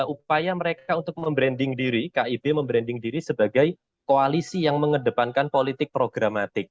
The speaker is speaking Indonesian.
upaya mereka untuk membranding diri kib membranding diri sebagai koalisi yang mengedepankan politik programatik